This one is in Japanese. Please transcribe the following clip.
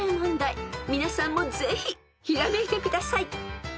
［皆さんもぜひひらめいてください］